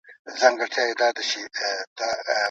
په لاس لیکلنه د ژبي بډاینه ښیي.